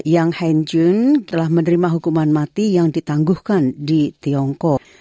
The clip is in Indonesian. yang menerima hukuman mati yang ditangguhkan di tiongkok